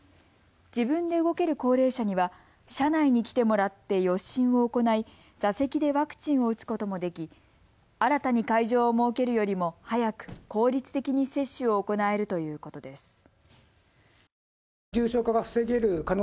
自分で動ける高齢者には車内に来てもらって予診を行い座席でワクチンを打つこともでき新たに会場を設けるよりも早く、効率的に接種を行えるということです。